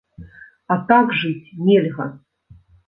А так жыць нельга!